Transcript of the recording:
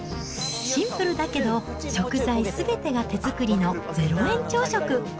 シンプルだけど、食材すべてが手作りの０円朝食。